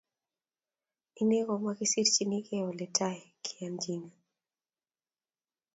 Ine ko makisirchinigei oletai keyachine